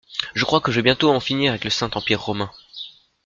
Je crois que je vais bientôt en finir avec le Saint Empire Romain.